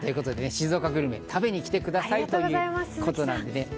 静岡グルメを食べに来てくださいということです。